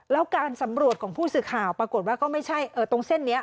แล้วการสำรวจของผู้สื่อข่าวปรากฏว่าก็ไม่ใช่ตรงเส้นนี้